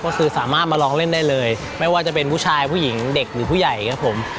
ก็คือสามารถมาลองเล่นได้เลยไม่ว่าจะเป็นผู้ชายผู้หญิงเด็กหรือผู้ใหญ่ครับผม